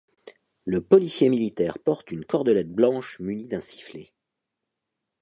Le policier militaire porte une cordelette blanche munie d'un sifflet.